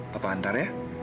papa antar ya